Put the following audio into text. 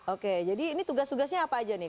oke jadi ini tugas tugasnya apa aja nih